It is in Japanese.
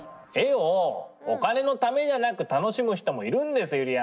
絵をお金のためじゃなく楽しむ人もいるんですよ。